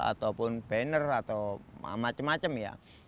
ataupun banner atau macam macam ya